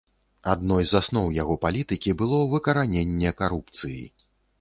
Адной з асноў яго палітыкі было выкараненне карупцыі.